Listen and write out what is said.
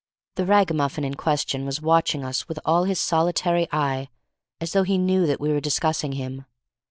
The ragamuffin in question was watching us with all his solitary eye, as though he knew that we were discussing him.